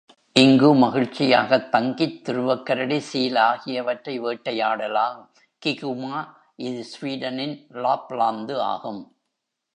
இங்கு மகிழ்ச்சியாகத் தங்கித் துருவக் கரடி, சீல் ஆகிய வற்றை வேட்டையாடலாம், கிகுமா இது ஸ்வீடனின் லாப்லாந்து ஆகும்.